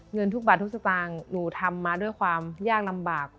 เงินทุกบาททุกสตางค์หนูทำมาด้วยความยากลำบาก